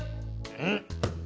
うん。